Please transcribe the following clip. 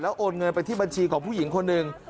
โอนเงินไปที่บัญชีของผู้หญิงคนหนึ่ง